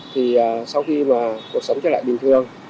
thì sau khi mà cuộc sống trở lại bình thường